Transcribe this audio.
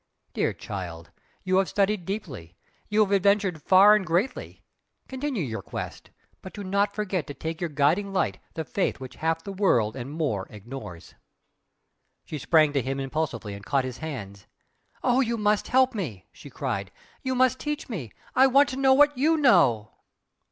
Dear child, you have studied deeply you have adventured far and greatly! continue your quest, but do not forget to take your guiding Light, the Faith which half the world and more ignores!" She sprang to him impulsively and caught his hands. "Oh, you must help me!" she cried "You must teach me I want to know what YOU know!